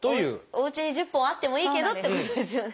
おうちに１０本あってもいいけどってことですよね。